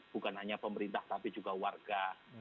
bukan hanya pemerintah tapi juga warga